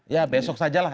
ya besok sajalah